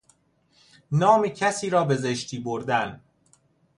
نام کسی را به زشتی بردن